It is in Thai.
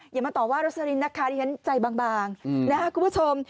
อย่ามาตอบว่ารสลินนะคะอย่างนั้นใจบางนะคะคุณผู้ชม